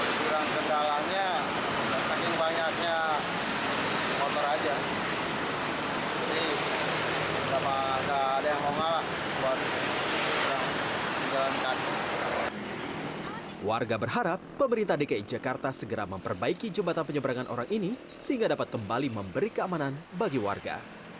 sebagai berharap pemerintah dki jakarta segera memperbaiki jembatan penyeberangan orang ini sehingga dapat kembali memberi keamanan bagi warga